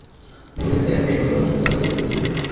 মদীনা তাইয়্যেবার সকল অঞ্চলকে আলোকিত করে তুলল।